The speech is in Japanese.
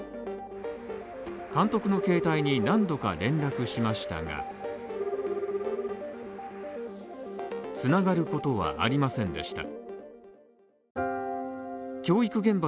監督の携帯に何度か連絡しましたがつながることはありませんでした。